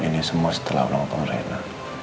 ini semua setelah ulang tahun reina